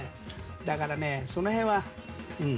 だから、その辺はうん。